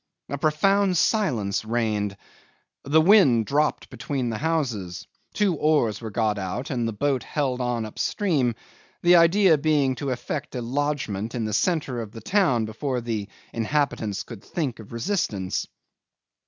A profound silence reigned. The wind dropped between the houses; two oars were got out and the boat held on up stream, the idea being to effect a lodgment in the centre of the town before the inhabitants could think of resistance.